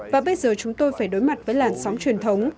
và bây giờ chúng tôi phải đối mặt với làn sóng truyền thống